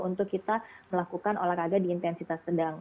untuk kita melakukan olahraga di intensitas sedang